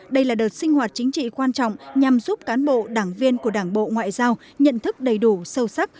đây là đợt sinh hoạt chính trị quan trọng nhằm giúp cán bộ đảng viên của đảng bộ ngoại giao nhận thức đầy đủ sâu sắc